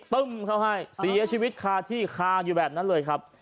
ตึ้มเขาให้เสียชีวิตคาที่คาอยู่แบบนั้นเลยครับ